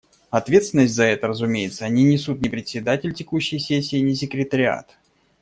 Ответственность за это, разумеется, не несут ни Председатель текущей сессии, ни Секретариат.